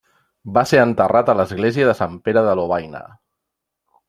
Va ser enterrat a l'església de Sant Pere de Lovaina.